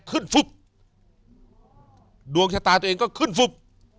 ฟุบดวงชะตาตัวเองก็ขึ้นฟุบ